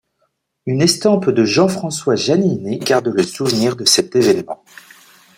Une estampe de Jean-François Janinet garde le souvenir de cet événement.